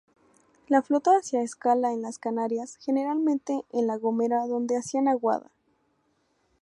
La flota hacía escala en las Canarias, generalmente en La Gomera donde hacían aguada.